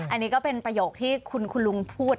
อันนี้ก็เป็นประโยคที่คุณลุงพูด